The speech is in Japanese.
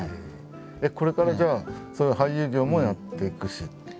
これからじゃあそういう俳優業もやっていくし。